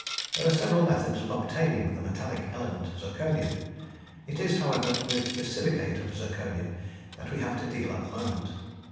There are several methods of obtaining the metallic element, zirconium; it is however with the silicate of zirconium that we have to deal at the moment.